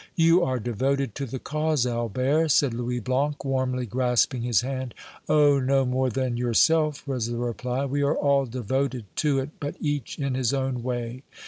"You are devoted to the cause, Albert," said Louis Blanc, warmly grasping his hand. "Oh! no more than yourself," was the reply. "We are all devoted to it, but each in his own way.